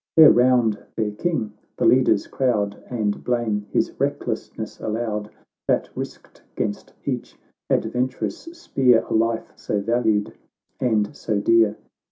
There round their King the leaders crowd, And blame his recklessness aloud, That risked 'gainst each adventurous spear A life so valued and so dear.